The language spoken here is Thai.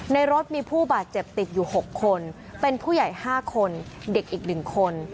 ในรถมีผู้บาดเจ็บติดอยู่๖คนเป็นผู้ใหญ่๕คนเด็กอีก๑คน